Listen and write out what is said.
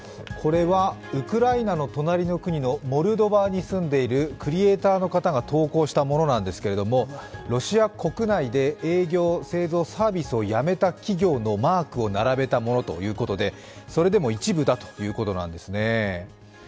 これはウクライナの隣の国のモルドバに住んでいるクリエイターの方が投稿したものなんですけれどもロシア国内で営業、製造、サービスをやめた企業のマークを並べたものということで、それでも一部だということなんです。